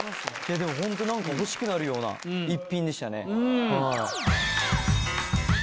でもホント何か欲しくなるような逸品でしたね。